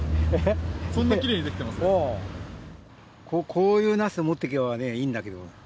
こういうナスを持っていけばねいいんだけど。